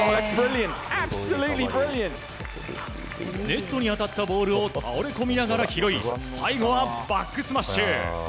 ネットに当たったボールを倒れ込みながら拾い最後はバックスマッシュ！